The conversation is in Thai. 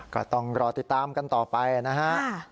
ก็ต้องรอติดตามกันต่อไปนะฮะ